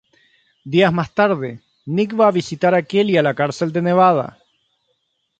Días más tarde, Nick va a visitar a Kelly a la cárcel de Nevada.